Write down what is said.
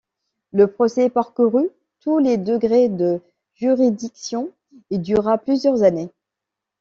Le procès parcourut tous les degrés de juridiction et dura plusieurs années.